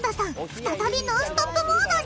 再びノンストップモードに。